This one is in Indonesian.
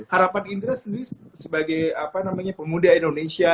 harapan indra sendiri sebagai pemuda indonesia